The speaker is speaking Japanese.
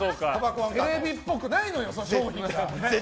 テレビっぽくないのよ、賞品が。